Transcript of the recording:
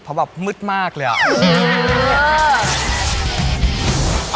เพราะแบบมืดมากเลยอ่ะ